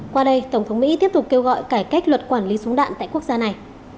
qua đây tổng thống mỹ tiếp tục kêu gọi cải cách luật quản lý súng đạn tại quốc gia này